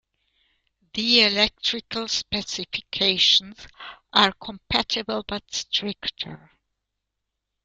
The electrical specifications are compatible, but stricter.